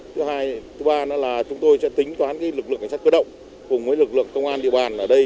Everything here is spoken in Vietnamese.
thứ ba nữa là chúng tôi sẽ tính toán lực lượng cảnh sát cơ động cùng với lực lượng công an địa bàn ở đây